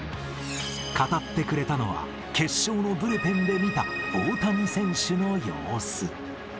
語ってくれたのは、決勝のブルペンで見た、大谷選手の様子。